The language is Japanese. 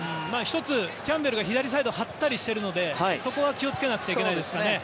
１つ、キャンベルが左サイドを張ったりしているのでそこは気をつけなくちゃいけないですね。